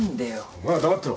お前は黙ってろ。